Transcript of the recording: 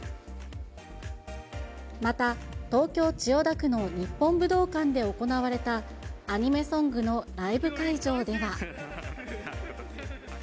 また東京・千代田区の日本武道館で行われた、アニメソングのライブ会場では。